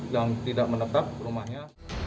yang tidak menetap rumahnya